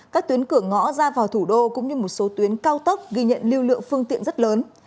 các tuyến cửa ngõ ra vào thủ đô cũng như một số tuyến cao tốc ghi nhận lưu lượng phương tiện rất lớn